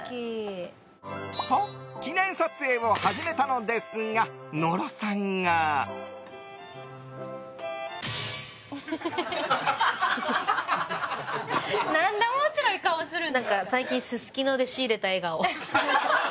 と、記念撮影を始めたのですが野呂さんが。何で面白い顔するん？